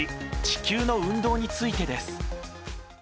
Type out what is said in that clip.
‐地球の運動について‐」です。